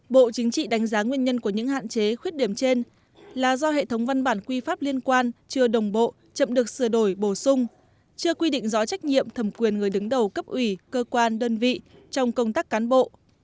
bộ chính trị đánh giá nguyên nhân của những hạn chế khuyết điểm trên là do hệ thống văn bản quy pháp liên quan chưa đồng bộ chậm được sửa đổi bổ sung chưa quy định rõ trách nhiệm thẩm quyền người đứng đầu cấp ủy cơ quan đơn vị trong công tác cán bộ